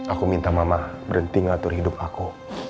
aku minta mama berhenti ngatur hidup aku